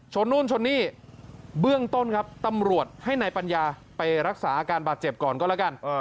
นู่นชนนี่เบื้องต้นครับตำรวจให้นายปัญญาไปรักษาอาการบาดเจ็บก่อนก็แล้วกัน